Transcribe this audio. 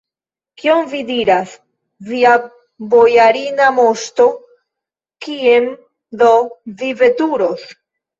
Kion vi diras, via bojarina moŝto, kien do vi veturos?